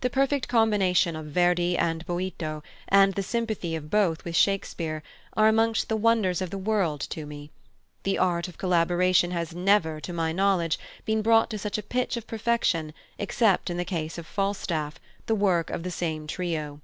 The perfect combination of Verdi and Boito, and the sympathy of both with Shakespeare, are amongst the wonders of the world to me. The art of collaboration has never, to my knowledge, been brought to such a pitch of perfection except in the case of Falstaff, the work of the same trio.